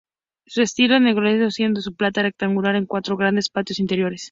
Su estilo es neoclásico, siendo su planta rectangular, con cuatro grandes patios interiores.